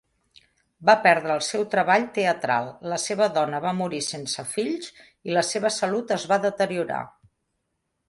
Va perdre el seu treball teatral, la seva dona va morir sense fills, i la seva salut es va deteriorar.